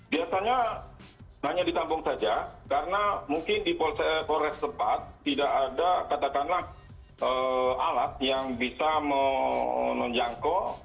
biasanya hanya ditampung saja karena mungkin di polres tempat tidak ada katakanlah alat yang bisa menjangkau